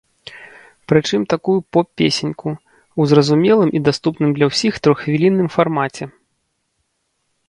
Прычым такую поп-песеньку, у зразумелым і даступным для ўсіх троххвілінным фармаце.